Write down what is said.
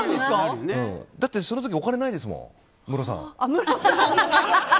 だって、その時はお金ないですもん、ムロさん。